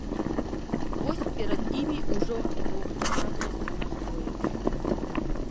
Вось перад імі ўжо доўгачаканая сцяна хвояў.